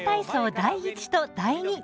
第１と第２。